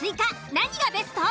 何がベスト？